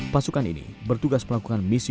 pasukan ini bertugas melakukan misi